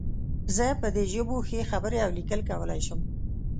زه په دې ژبو ښې خبرې او لیکل کولی شم